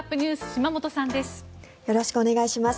島本さんです。